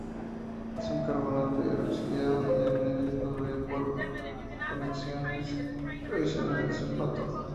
Es un carbonato hidroxilado y anhidro de plomo, con aniones adicionales de sulfato.